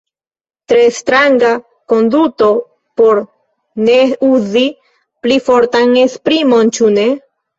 Tre stranga konduto por ne uzi pli fortan esprimon ĉu ne?